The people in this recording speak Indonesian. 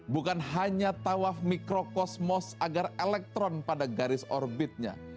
bukan hanya tawaf mikrokosmos agar elektron pada garis orbitnya